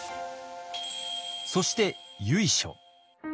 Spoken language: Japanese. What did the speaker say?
そして由緒。